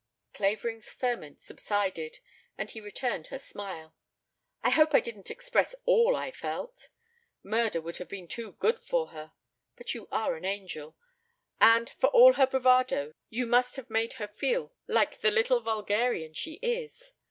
Clavering's ferment subsided, and he returned her smile. "I hope I didn't express all I felt. Murder would have been too good for her. But you are an angel. And for all her bravado you must have made her feel like the little vulgarian she is.